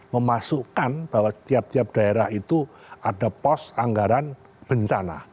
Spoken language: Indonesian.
memasukkan bahwa setiap tiap daerah itu ada pos anggaran bencana